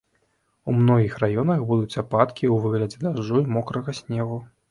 У многіх раёнах будуць ападкі ў выглядзе дажджу і мокрага снегу.